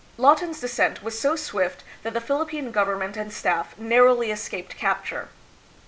Lawton's descent was so swift that the Philip pine government and staff narrowly escaped capture.